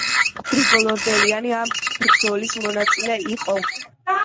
გრიგოლ ორბელიანი ამ ბრძოლის მონაწილე იყო.